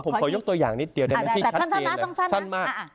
ผมขอยกตัวอย่างนิดเดียวได้ไหมพี่ชัดนะต้องสั้นมาก